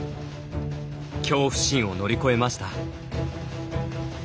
恐怖心を乗り越えました。